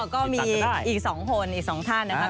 ก็มีอีก๒คนอีก๒ท่านนะครับ